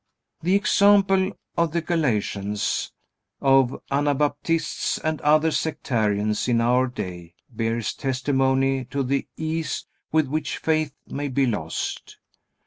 The example of the Galatians, of Anabaptists, and other sectarians in our day bears testimony to the ease with which faith may be lost.